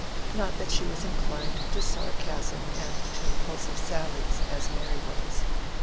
Not that she was inclined to sarcasm and to impulsive sallies, as Mary was.